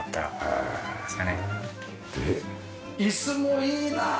で椅子もいいな！